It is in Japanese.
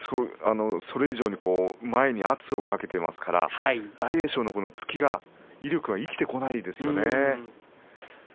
それ以上に前に圧をかけていますから大栄翔の突きが威力が生きてこないですよね。